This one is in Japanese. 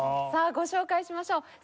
さあご紹介しましょう。